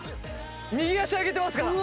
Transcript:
右足上げてますから。